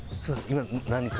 今何か？